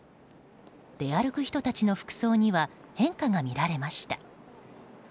出歩く人たちの服装には変化が見られました。